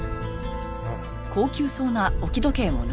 ああ。